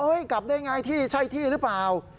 เฮ้ยกลับได้อย่างไรที่ใช่ที่หรือเปล่า